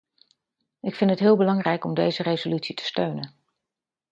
Ik vind het heel belangrijk om deze resolutie te steunen.